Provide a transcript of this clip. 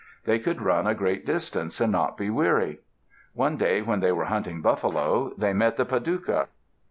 They could run a great distance and not be weary. One day when they were hunting buffalo, they met the Padouca.